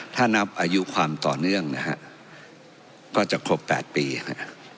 ถ้านับอายุความต่อเนื่องนะฮะก็จะครบ๘ปีฮะ